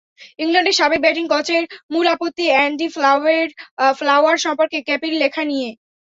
ইংল্যান্ডের সাবেক ব্যাটিং কোচের মূল আপত্তি অ্যান্ডি ফ্লাওয়ার সম্পর্কে কেপির লেখা নিয়ে।